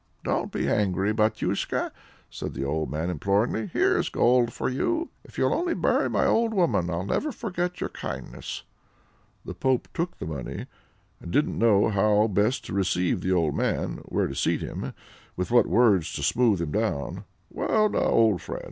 "Don't be angry, batyushka," said the old man imploringly. "Here's gold for you. If you'll only bury my old woman, I'll never forget your kindness." The pope took the money, and didn't know how best to receive the old man, where to seat him, with what words to smooth him down. "Well now, old friend!